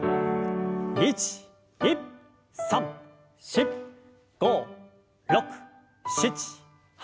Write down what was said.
１２３４５６７８。